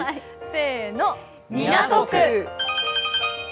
せーの、港区。